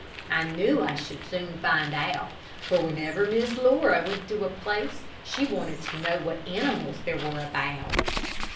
I knew I should soon find out, for whenever Miss Laura went to a place she wanted to know what animals there were about.